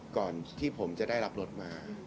ก่อนที่ผมจะได้รับรถมา